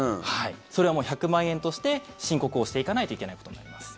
それはもう１００万円として申告をしていかないといけないことになります。